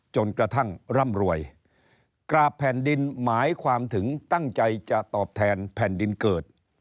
จนกระทั่งร่ำรวยกราบแผ่นดินหมายความถึงตั้งใจจะตอบแทนแผ่นดินเกิด